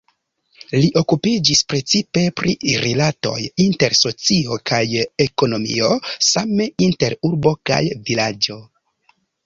Li okupiĝis precipe pri rilatoj inter socio kaj ekonomio, same inter urbo kaj vilaĝo.